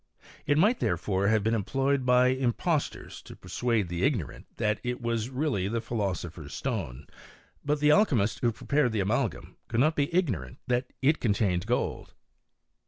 It might therefore have been employed by impostors to persuade the ignorant that it was really the philoso pher's stone; but the alchymists who prepared the amalgam could not be ignorant that it contained gold.